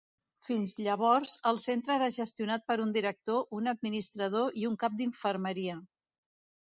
Fins llavors el centre era gestionat per un director, un administrador i un cap d'infermeria.